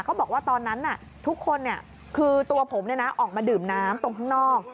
เขาบอกว่าตอนนั้นทุกคนคือตัวผมออกมาดื่มน้ำตรงข้างนอก